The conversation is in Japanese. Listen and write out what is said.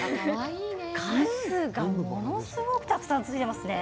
数がものすごくたくさんついてますね。